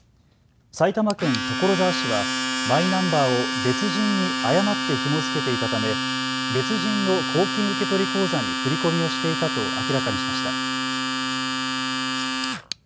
埼玉県所沢市はマイナンバーを別人に誤ってひも付けていたため別人の公金受取口座に振り込みをしていたと明らかにしました。